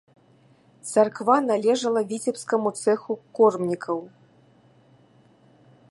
Царква належала віцебскаму цэху кормнікаў.